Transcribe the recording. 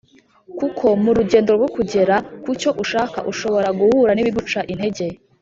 kuko mu rugendo rwo kugera ku cyo ushaka ushobora guhura n’ibiguca intege